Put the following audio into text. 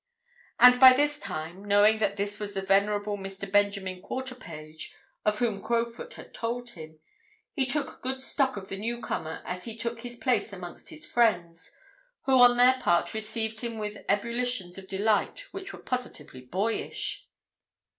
And by this time, knowing that this was the venerable Mr. Benjamin Quarterpage, of whom Crowfoot had told him, he took good stock of the newcomer as he took his place amongst his friends, who on their part received him with ebullitions of delight which were positively boyish.